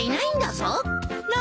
何？